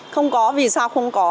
không có vì sao không có